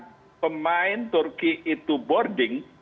pada saat pemain turki itu boarding